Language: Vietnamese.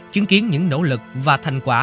chứng kiến những nỗ lực và thành quả